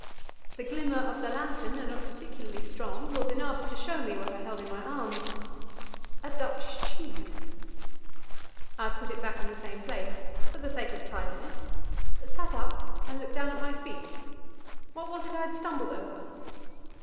The glimmer of the lantern, though not particularly strong, was enough to show me what I held in my arms a Dutch cheese! I put it back in the same place for the sake of tidiness sat up, and looked down at my feet. What was it I had stumbled over?